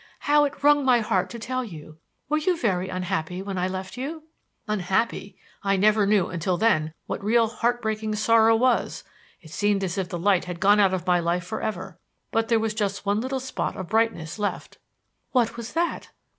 How it wrung my heart to tell you! Were you very unhappy when I left you?" "Unhappy! I never knew, until then, what real heart breaking sorrow was. It seemed as if the light had gone out of my life for ever. But there was just one little spot of brightness left." "What was that?"